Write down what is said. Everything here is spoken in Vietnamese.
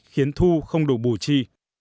khiến thu không đủ bù chi